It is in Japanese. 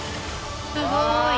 すごい。